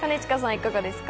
いかがですか？